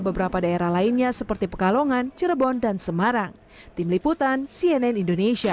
beberapa daerah lainnya seperti pekalongan cirebon dan semarang tim liputan cnn indonesia